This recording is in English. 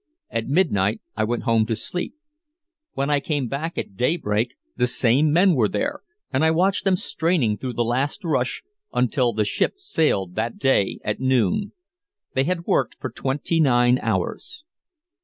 At midnight I went home to sleep. When I came back at daybreak the same men were there, and I watched them straining through the last rush until the ship sailed that day at noon. They had worked for twenty nine hours.